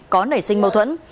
có nảy sinh mâu thuẫn